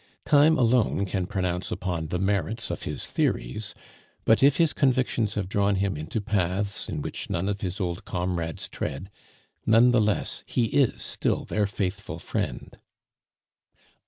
Time alone can pronounce upon the merits of his theories; but if his convictions have drawn him into paths in which none of his old comrades tread, none the less he is still their faithful friend.